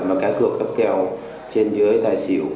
và cái cửa cấp kèo trên dưới tài xỉu